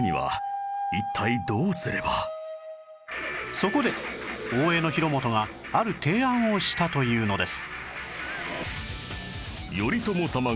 そこで大江広元がある提案をしたというのです